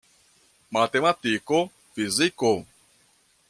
Matematiko, fiziko.